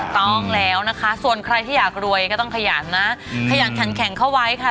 ต้องแล้วนะคะส่วนใครที่อยากรวยก็ต้องขยันนะขยันขันแข็งเข้าไว้ค่ะ